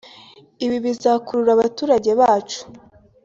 ibi bizakurura abaturage bacu